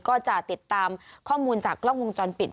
ก็จะติดตามข้อมูลจากกล้องวงจรปิด